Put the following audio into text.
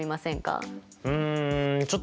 うんちょっと